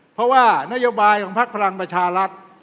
เพราะว่านโยบายของพักพลังประชารัฐ